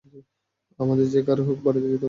আমাদের যে করেই হোক বাড়িতে যেতে হবে!